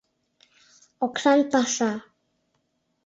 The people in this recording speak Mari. Оксан паша.